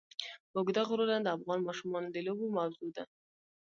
اوږده غرونه د افغان ماشومانو د لوبو موضوع ده.